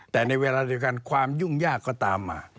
แต่ในเวลาเดียวกันความยุ่งยากก็ตามมา